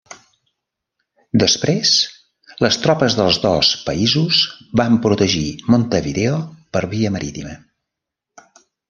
Després, les tropes dels dos països van protegir Montevideo per via marítima.